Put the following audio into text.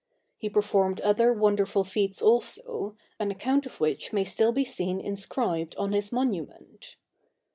He performed other wonderful feats also, an account of which may still be seen inscribed on his monument.